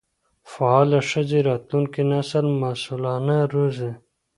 فعاله ښځې راتلونکی نسل مسؤلانه روزي.